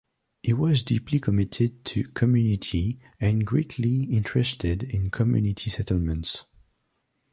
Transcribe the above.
He was deeply committed to community and greatly interested in community settlements.